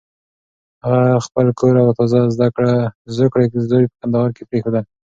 هغه خپل کور او تازه زوکړی زوی په کندهار کې پرېښودل.